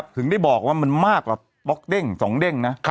ถึงได้บอกว่ามันมากกว่าป๊อกเด้ง๒เด้งนะ